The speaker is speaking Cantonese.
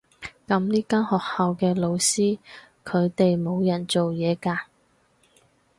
噉呢間學校嘅老師，佢哋冇人做嘢㗎？